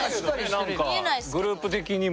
何かグループ的にも。